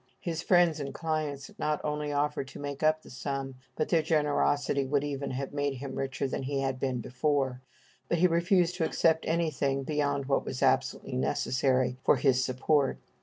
His friends and clients not only offered to make up the sum, but their generosity would even have made him richer than he had been before; but he refused to accept anything beyond what was absolutely necessary for his support.